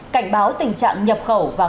cảnh báo tình trạng nhập khẩu và